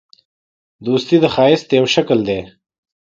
دوستي د ښایست یو شکل دی.